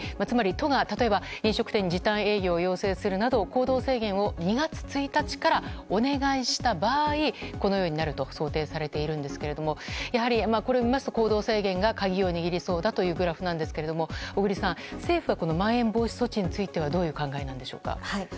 つまり、都が例えば飲食店に時短営業を要請するなど行動制限を２月１日からお願いした場合このようになると想定されていますがこれを見ますと行動制限が鍵を握りそうだというグラフなんですが小栗さん、政府はまん延防止措置についてどういう考えなんでしょうか。